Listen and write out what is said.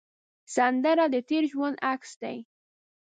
سندره د تېر ژوند عکس دی